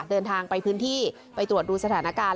เดินทางไปพื้นที่ไปตรวจดูสถานการณ์